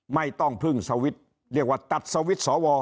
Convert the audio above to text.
ไม่ต้องพึ่งสวิตช์เรียกว่าตัดสวิตช์สว